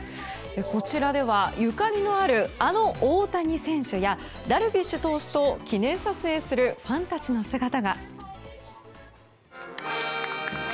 こちらではゆかりのあるあの大谷選手やダルビッシュ投手と記念撮影するファンたちの姿が。